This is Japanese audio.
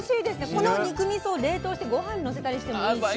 この肉みそを冷凍してごはんにのせたりしてもいいし。